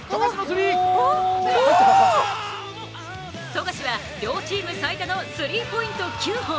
富樫は両チーム最多のスリーポイント９本。